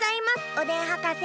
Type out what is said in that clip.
おでんはかせ。